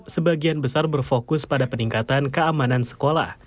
sebagian besar berfokus pada peningkatan keamanan sekolah